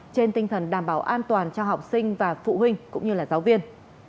trên tinh thần đảm bảo an toàn cho học sinh và phụ huynh cũng như là giáo viên